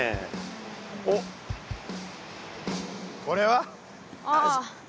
おっこれは？ああ。